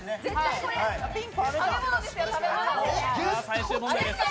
食べ物ですよ、食べ物。